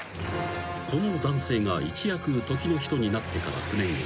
［この男性が一躍時の人になってから９年後］